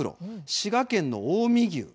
滋賀県の「近江牛」